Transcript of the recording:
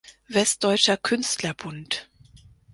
Westdeutscher Künstlerbund